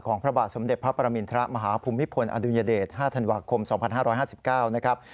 พระบาทสมเด็จพระปรมินทรมาฮภูมิพลอดุญเดช๕ธันวาคม๒๕๕๙นะครับ